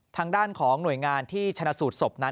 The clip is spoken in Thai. ทางด้านของหน่วยงานที่ชนะสูตรศพนั้น